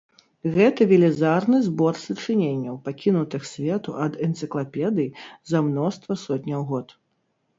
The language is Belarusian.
Гэта велізарны збор сачыненняў, пакінутых свету ад энцыклапедый, за мноства сотняў год.